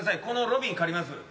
このロビー借ります。